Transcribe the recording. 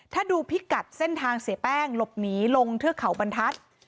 ถ้าดูพิกัดเส้นทางเสียแป้งหลบหนีลงเทือกเขาบรรทัศน์